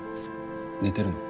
寝てるの？